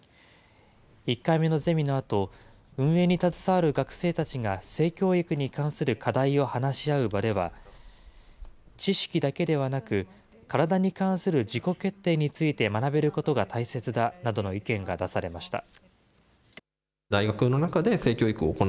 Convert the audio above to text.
１回目のゼミのあと、運営に携わる学生たちが性教育に関する課題を話し合う場では、知識だけではなく、体に関する自己決定について学べることが大切だなどの意見が出されました。